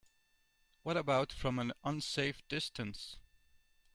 What about from an unsafe distance?